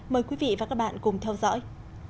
mời quý vị và các bạn cùng theo dõi